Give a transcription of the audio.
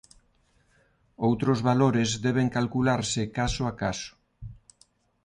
Outros valores deben calcularse caso a caso.